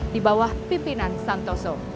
di bawah pimpinan santoso